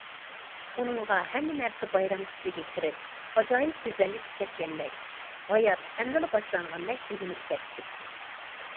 ئۇنىڭغا ھەممە نەرسە بايرام تۈسىگە كىرىپ، ئاجايىپ گۈزەللىشىپ كەتكەندەك، ھايات ئەمدىلا باشلانغاندەك بىلىنىپ كەتتى.